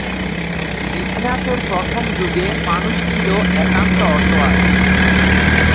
ইতিহাসের প্রথম যুগে মানুষ ছিল একান্ত অসহায়।